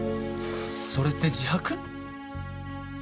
それって自白？